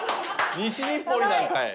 西日暮里なんかい！